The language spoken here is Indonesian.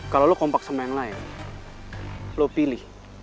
kalau lo kompak sama yang lain lo pilih